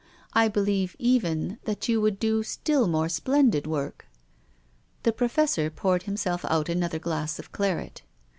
I be lieve even that you would do still more splendid work." The Professor poured himself out another glass of claret.